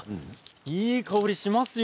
いい香りがしますね。